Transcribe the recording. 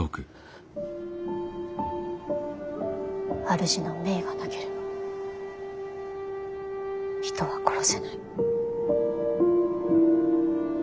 主の命がなければ人は殺せない。